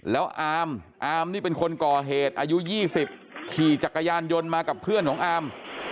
แล้วอามอาร์มนี่เป็นคนก่อเหตุอายุ๒๐ขี่จักรยานยนต์มากับเพื่อนของอาม